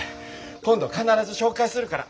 今度必ず紹介するから。